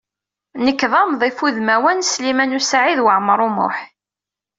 Nekk d amḍif udmawan n Sliman U Saɛid Waɛmaṛ U Muḥ.